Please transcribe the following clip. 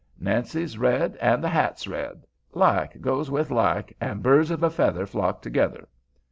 Nancy's red an' the hat's red; like goes with like, an' birds of a feather flock together."